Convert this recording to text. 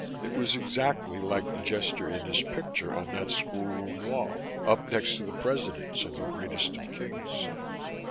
It was exactly like the gesture in his picture on that schoolroom wall, up next to the presidents and the greatest of kings.